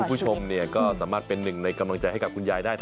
คุณผู้ชมก็สามารถเป็นหนึ่งในกำลังใจให้กับคุณยายได้